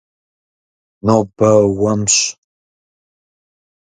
Нобэ уэмщ.